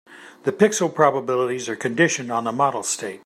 The pixel probabilities are conditioned on the model state.